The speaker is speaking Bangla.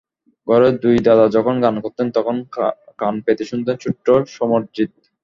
ঘরে দুই দাদা যখন গান করতেন, তখন কান পেতে শুনতেন ছোট্ট সমরজিৎ।